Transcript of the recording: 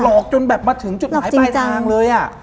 อกจนแบบมาถึงจุดหมายปลายทางเลย